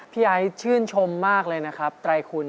ไอ้ชื่นชมมากเลยนะครับไตรคุณ